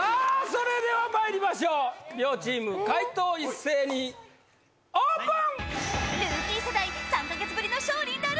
それではまいりましょう両チーム解答一斉にオープン！